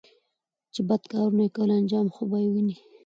چې بد کارونه يې کول انجام خو به یې ویني